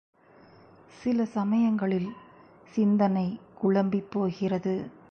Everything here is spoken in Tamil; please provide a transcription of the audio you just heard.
சில சமயங்களில் சிந்தனை குழம்பிப் போகிறது.